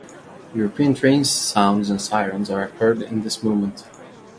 European train sounds and sirens are heard in this movement.